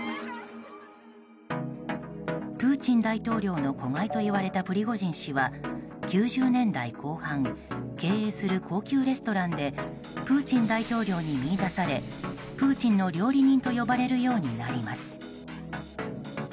プーチン大統領の子飼いといわれたプリゴジン氏は９０年代後半経営する高級レストランでプーチン大統領に見いだされプーチンの料理人と呼ばれるようになります。